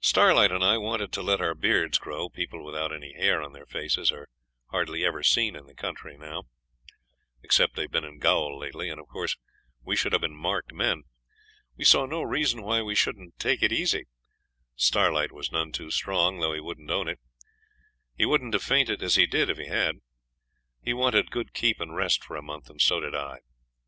Starlight and I wanted to let our beards grow. People without any hair on their faces are hardly ever seen in the country now, except they've been in gaol lately, and of course we should have been marked men. We saw no reason why we shouldn't take it easy. Starlight was none too strong, though he wouldn't own it; he wouldn't have fainted as he did if he had. He wanted good keep and rest for a month, and so did I.